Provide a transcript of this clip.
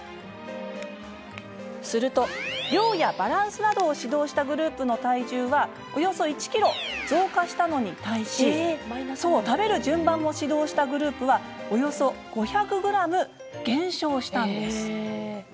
すると、量やバランスなどを指導したグループの体重はおよそ１ｋｇ増加したのに対し食べる順番も指導したグループはおよそ５００ｇ減少したんです。